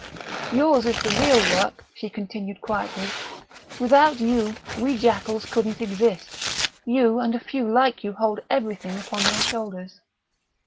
"Yours is the real work," she continued quietly. "Without you we jackals couldn't exist. You and a few like you hold everything upon your shoulders."